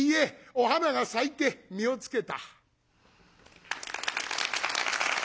お花が咲いて身をつけた」。